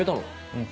うん。